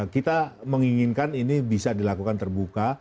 kita menginginkan ini bisa dilakukan terbuka